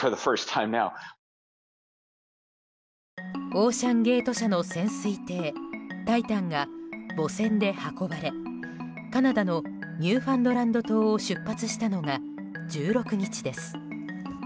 オーシャン・ゲート社の潜水艇「タイタン」が母船で運ばれカナダのニューファンドランド島を出発したのが１６日です。